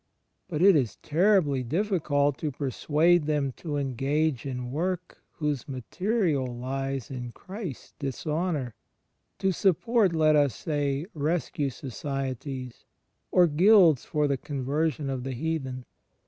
But it is terribly difficult to persuade them to engage in work whose material lies in Christ's dishonour — to support, let us say. Rescue Societies, or guilds for the conversion of the heathen.